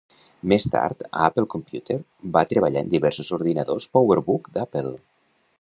Més tard a Apple Computer, va treballar en diversos ordinadors PowerBook d'Apple.